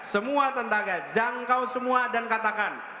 semua tentaga jangkau semua dan katakan